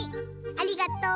ありがとう。